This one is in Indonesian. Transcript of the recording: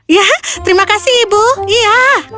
ya terima kasih ibu iya